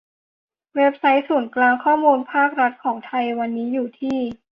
เว็บไซต์ศูนย์กลางข้อมูลภาครัฐของไทยวันนี้อยู่ที่